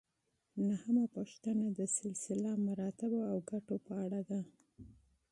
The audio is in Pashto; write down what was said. نهمه پوښتنه د سلسله مراتبو او ګټو په اړه ده.